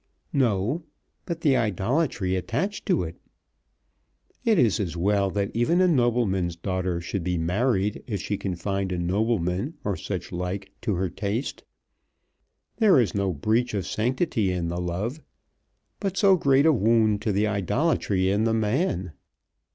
"No; but the idolatry attached to it! It is as well that even a nobleman's daughter should be married if she can find a nobleman or such like to her taste. There is no breach of sanctity in the love, but so great a wound to the idolatry in the man!